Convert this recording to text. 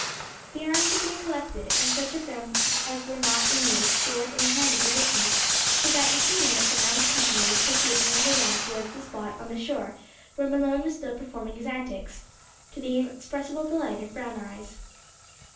The arms had been collected, and such of them as were not in use stored in a handy position, so that in two minutes an armed company was proceeding at a run towards the spot on the shore where Malone was still performing his antics, to the inexpressible delight of Brown eyes.